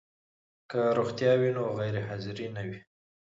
که روغتیا وي نو غیر حاضري نه وي.